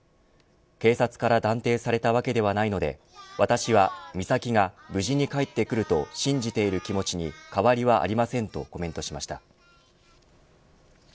警察から断定されたわけではないので私は美咲が無事に帰ってくると信じている気持ちに変わりはありませんとコメントしました。